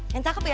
yang cakep ya